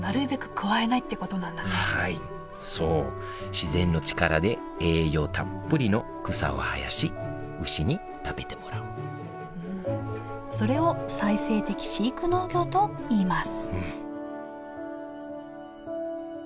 自然の力で栄養たっぷりの草を生やし牛に食べてもらうそれを「再生的飼育農業」といいます